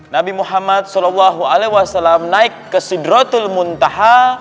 nabi muhammad saw naik ke sudratul muntaha